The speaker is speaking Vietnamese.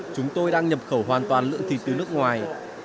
chúng tôi đang nhập khẩu hoàn toàn lượng thịt từ nước ngoài